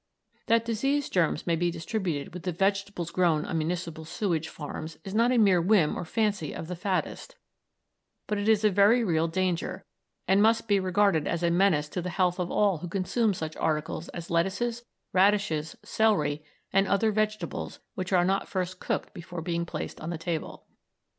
That disease germs may be distributed with the vegetables grown on municipal sewage farms is not a mere whim or fancy of the faddist, but is a very real danger, and must be regarded as a menace to the health of all who consume such articles as lettuces, radishes, celery, and other vegetables which are not first cooked before being placed on the table.